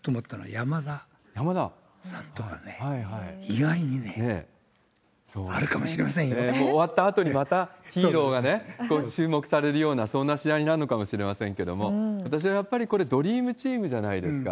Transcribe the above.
山田さんとかね、終わったあとに、またヒーローがね、今度注目されるような、そんな試合になるのかもしれませんけれども、私はやっぱり、これ、ドリームチームじゃないですか。